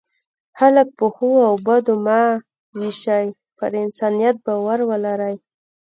خلک په ښو او بدو مه وویشئ، پر انسانیت باور ولرئ.